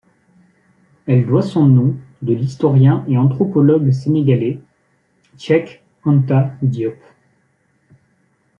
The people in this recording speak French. Elle doit son nom de l'historien et anthropologue sénégalais Cheikh Anta Diop.